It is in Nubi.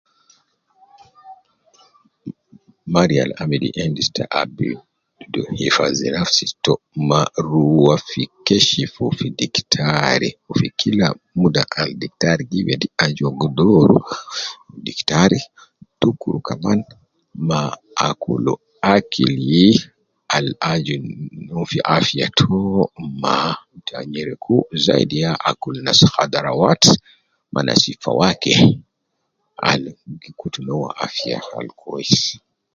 Mariya al amili endis te abidu hifazi nafsi to ma rua fi keshifu fi diktari fi kila muda al diktari gi wedi aju uwo gi dooru fi diktari ,dukuru kaman ma akulu akili al aju no fi afiya to ma ta nyereku zaidi ya akul nas khadarawat ma nas fawakih al gi kutu no afiya al kwesi